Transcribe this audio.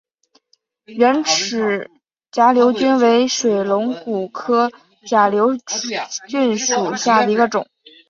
圆齿假瘤蕨为水龙骨科假瘤蕨属下的一个种。